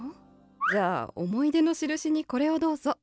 じゃあ思い出のしるしにこれをどうぞ。